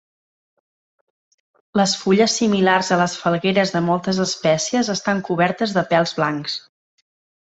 Les fulles similars a les falgueres de moltes espècies estan cobertes de pèls blancs.